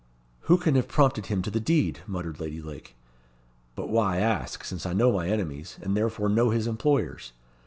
"Who can have prompted him to the deed?" muttered Lady Lake. "But why ask, since I know my enemies, and therefore know his employers!